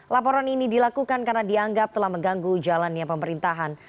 laporan ini dilakukan karena dianggap telah mengganggu jalannya pemerintahan